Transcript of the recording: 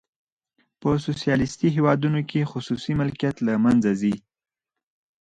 په سوسیالیستي هیوادونو کې خصوصي ملکیت له منځه ځي.